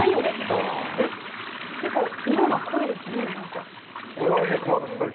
結構色が濃いですね。